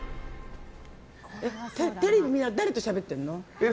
テレビ見ながら誰としゃべってるの？